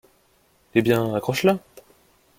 Eh bien, accroche-la.